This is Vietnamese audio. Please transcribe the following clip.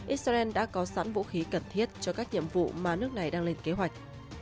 israel đã có sẵn vũ khí cần thiết cho các nhiệm vụ mà nước này đang lên kế hoạch